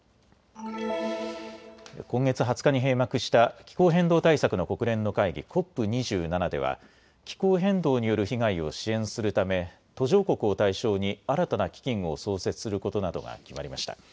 今月２０日に閉幕した気候変動対策の国連の会議、ＣＯＰ２７では気候変動による被害を支援するため途上国を対象に新たな基金を創設することなどが決まりました。